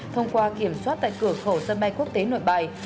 thông qua kiểm soát tại cửa khẩu sân bay quốc tế nội bài